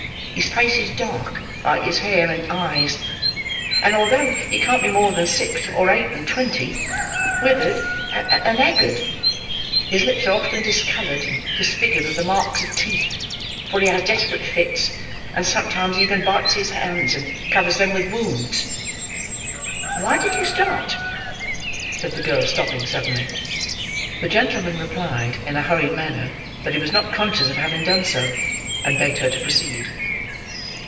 His face is dark, like his hair and eyes; and, although he can't be more than six or eight and twenty, withered and haggard. His lips are often discoloured and disfigured with the marks of teeth; for he has desperate fits, and sometimes even bites his hands and covers them with wounds—why did you start?" said the girl, stopping suddenly. The gentleman replied, in a hurried manner, that he was not conscious of having done so, and begged her to proceed.